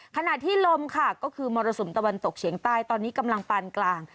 ขณะที่ลมค่ะก็คือมรสุมตะวันตกเฉียงใต้ตอนนี้กำลังปานกลาง